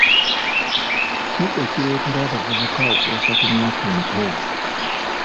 Ki ekireetera abavubuka okuwasa ku myaka emito?